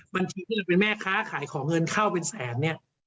ที่เราเป็นแม่ค้าขายของเงินเข้าเป็นแสนเนี่ย